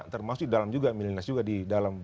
termasuk dalam juga milenial juga di dalam